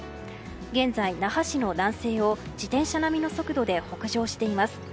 現在、那覇市の南西を自転車並みの速度で北上しています。